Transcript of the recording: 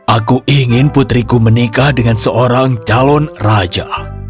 aku ingin putriku menikah dengan seorang calon raja